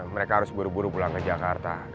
mereka harus buru buru pulang ke jakarta